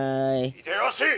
「秀吉！